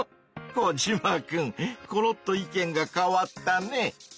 コジマくんコロッと意見が変わったね！